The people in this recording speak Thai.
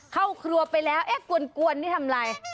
เข้าครัวไปแล้วเอ๊ะกวนนี่ทำอะไร